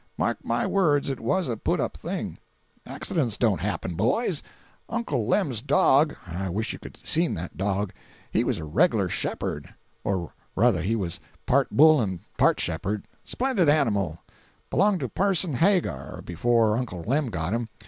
Mark my words it was a put up thing. Accidents don't happen, boys. Uncle Lem's dog—I wish you could a seen that dog. He was a reglar shepherd—or ruther he was part bull and part shepherd—splendid animal; belonged to parson Hagar before Uncle Lem got him.